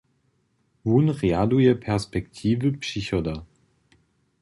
Wón rjaduje perspektiwy přichoda.